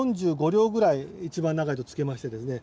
４５両ぐらい一番長いとつけましてですね